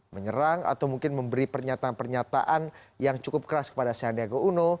menyerang atau mungkin memberi pernyataan pernyataan yang cukup keras kepada sandiaga uno